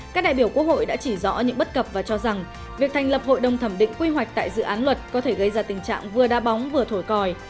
các đại biểu quốc hội đã chỉ rõ những bất cập và cho rằng việc thành lập hội đồng thẩm định quy hoạch tại dự án luật có thể gây ra tình trạng vừa đa bóng vừa thổi còi